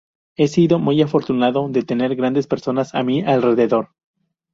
He sido muy afortunado de tener grandes personas a mi alrededor.